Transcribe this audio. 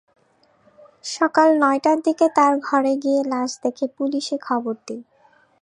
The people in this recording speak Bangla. সকাল নয়টার দিকে তাঁর ঘরে গিয়ে লাশ দেখে পুলিশে খবর দিই।